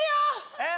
えっ？